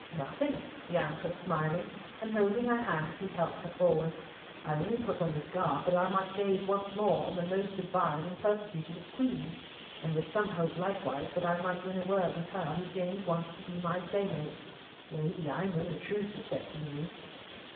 "Nothing," he answered, smiling, and holding her hand, as he helped her forward. "I only put on this garb that I might gaze once more on the most divine and persecuted of queens, and with some hope likewise that I might win a word with her who deigned once to be my playmate. Lady, I know the truth respecting you."